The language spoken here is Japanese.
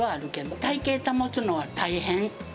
体形保つのは大変。